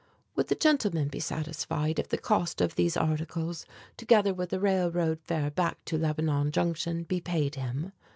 Would the gentleman be satisfied if the cost of these articles, together with the railroad fare back to Lebanon Junction be paid him?